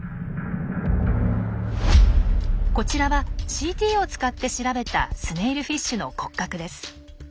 こちらはＣＴを使って調べたスネイルフィッシュの骨格です。